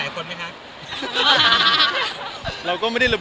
คุยหลายคนมั้ยครับ